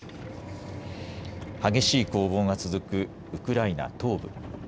激しい攻防が続くウクライナ東部。